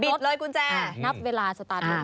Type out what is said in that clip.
บิดเลยกุญแจนับเวลาสตาร์ทรถ